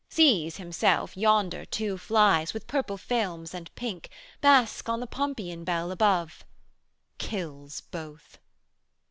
'Sees, himself, Yonder two flies, with purple films and pink, Bask on the pompion bell above: kills both.